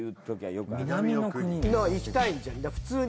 行きたいじゃん普通に。